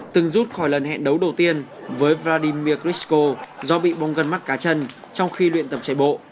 từng rút khỏi lần hẹn đấu đầu tiên với vladimir grishko do bị bong gần mắt cá chân trong khi luyện tập chạy bộ